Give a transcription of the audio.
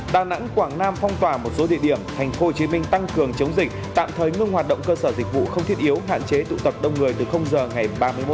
đà nẵng quảng nam phong tỏa một số địa điểm thành phố hồ chí minh tăng cường chống dịch tạm thời ngưng hoạt động cơ sở dịch vụ không thiết yếu hạn chế tụ tập đông người từ giờ ngày ba mươi một